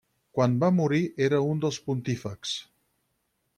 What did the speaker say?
Quan va morir era un dels pontífexs.